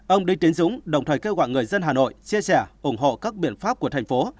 ông đinh tiến dũng đồng thời kêu gọi người dân hà nội chia sẻ ủng hộ các biện pháp của thành phố